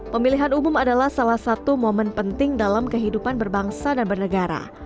pemilihan umum adalah salah satu momen penting dalam kehidupan berbangsa dan bernegara